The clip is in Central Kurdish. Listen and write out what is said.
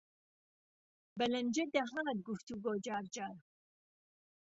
به لهنجه دەهات گوفتوگو جارجار